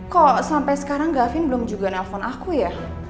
kok sampai sekarang gafin belum juga nelpon aku ya